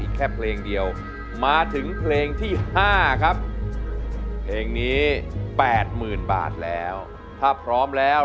แค่เพลงเดียวมาถึงเพลงที่๕ครับเพลงนี้๘๐๐๐บาทแล้วถ้าพร้อมแล้ว